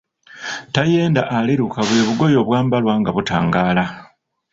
Tayenda aleluka bwe bugoye obwambalwa nga butangaala.